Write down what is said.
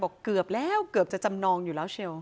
เกือบแล้วเกือบจะจำนองอยู่แล้วเชียว